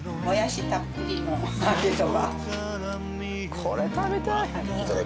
これ食べたい！